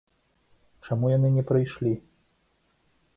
Чаму яны не прыйшлі?